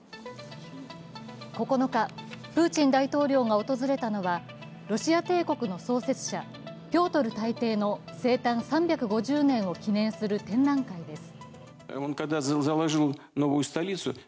９日、プーチン大統領が訪れたのはロシア帝国の創設者・ピョートル大帝の生誕３５０年を記念する展覧会です。